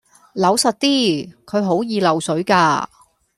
扭實啲，佢好易漏水㗎